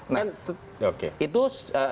nah ini juga